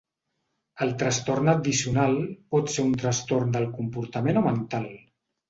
El trastorn addicional pot ser un trastorn del comportament o mental.